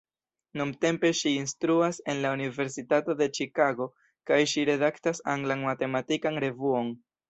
Nuntempe ŝi instruas en la Universitato de Ĉikago kaj ŝi redaktas anglan matematikan revuon.